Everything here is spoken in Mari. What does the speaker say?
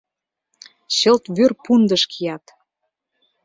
Чылт вӱр-пундыш кият...